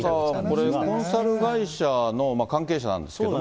ただ、これ、コンサル会社の関係者なんですけれども。